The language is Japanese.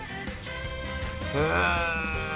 へえ。